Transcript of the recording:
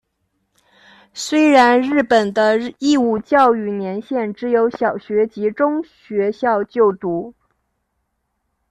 虽然日本的义务教育年限只有小学及中学校就读。